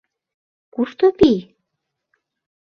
— Кушто пий?